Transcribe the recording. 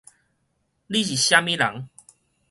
你是啥物人